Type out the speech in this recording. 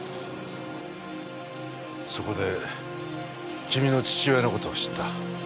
そこで君の父親の事を知った。